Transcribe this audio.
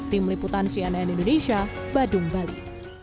tim liputan cnn indonesia badung bali